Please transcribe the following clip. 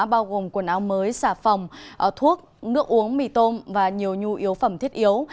bao gồm quần áo mới xà phòng thuốc nước uống mì tôm và nhiều nhu yếu phẩm thiết yếu